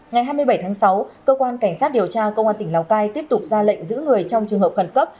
ngày hai mươi bảy tháng sáu cơ quan cảnh sát điều tra công an tỉnh lào cai tiếp tục ra lệnh giữ người trong trường hợp khẩn cấp